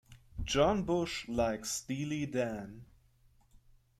Jon Busch likes Steely Dan.